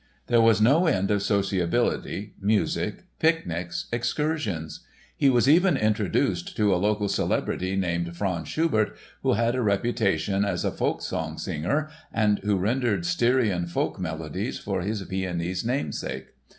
There was no end of sociability, music, picnics, excursions. He was even introduced to a local celebrity named Franz Schubert, who had a reputation as a folksong singer and who rendered Styrian folk melodies for his Viennese namesake.